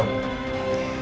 aku mau pulang